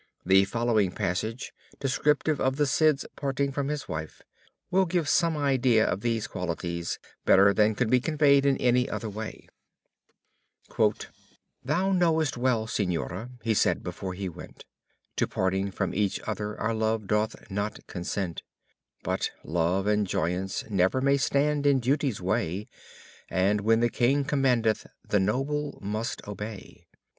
The following passage, descriptive of the Cid's parting from his wife, will give some idea of these qualities better than could be conveyed in any other way: "Thou knowest well, señora, he said before he went, To parting from each other our love doth not consent; But love and joyance never may stand in duty's way, And when the king commandeth the noble must obey.